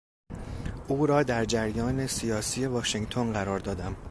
او را در جریان سیاسی واشنگتن قرار دادم.